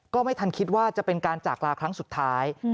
ก็ไม่ทันคิดว่าจะเป็นการจากลาครั้งสุดท้าย